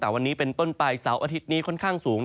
แต่วันนี้เป็นต้นไปเสาร์อาทิตย์นี้ค่อนข้างสูง